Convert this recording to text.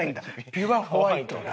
ピュアホワイトだ。